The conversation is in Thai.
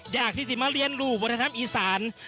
อยากที่จะมาเรียนรู้วัฒนธรรมอีสาน